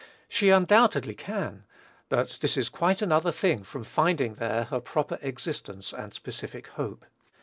She undoubtedly can; but this is quite another thing from finding there her proper existence and specific hope.